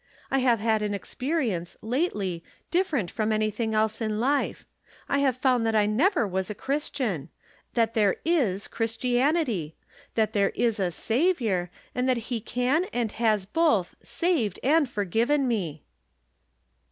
I have had an experience, lately, different from anything else in Ufe. I have found that I never was a Christian ; that there is Christianity ; that there is a Saviour, and that he can and has both saved and forgiven me."